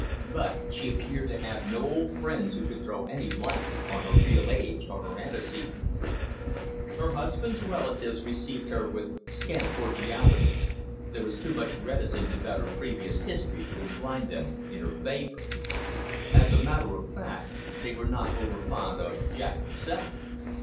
But she appeared to have no old friends who could throw any light on her real age or her antecedents. Her husband's relatives received her with scant cordiality, there was too much reticence about her previous history to incline them in her favour. As a matter of fact, they were not over fond of Jack himself.